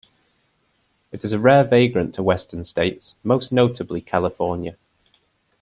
It is a rare vagrant to western states, most notably California.